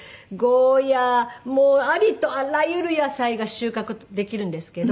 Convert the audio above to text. もうありとあらゆる野菜が収穫できるんですけど。